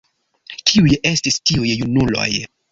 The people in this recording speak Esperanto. Kiuj estis tiuj junuloj?